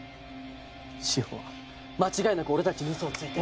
志法は間違いなく俺たちに嘘をついて。